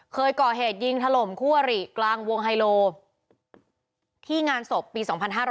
เคยก่อเหตุยิงถล่มคู่อริกลางวงไฮโลที่งานศพปี๒๕๕๙